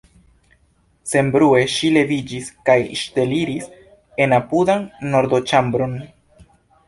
Senbrue ŝi leviĝis kaj ŝteliris en apudan dormoĉambron.